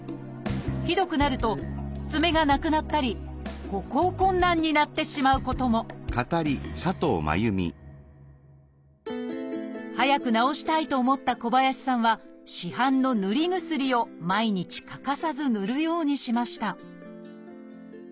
ひどくなると爪がなくなったり歩行困難になってしまうことも早く治したいと思った小林さんは市販のぬり薬を毎日欠かさずぬるようにしました